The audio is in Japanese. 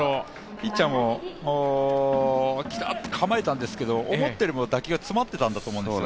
ピッチャーも来たと構えたんですけど、思ったよりも打球が詰まっていたんだと思うんです。